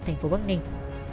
thành phố bắc ninh